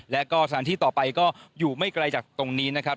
และก็สถานที่ต่อไปก็อยู่ไม่ไกลจากตรงนี้นะครับ